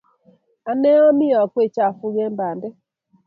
Ane ami akwee chafuk eng pandek